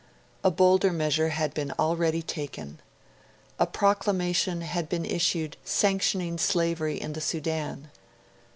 A bolder measure had been already taken. A proclamation had been issued sanctioning slavery in the Sudan.